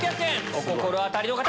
お心当たりの方！